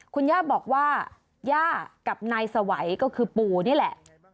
คุณย่าบอกว่าย่ากับนายสวัยก็คือปู่นี่แหละ